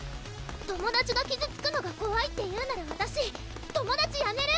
友達が傷つくのがこわいっていうならわたし友達やめる！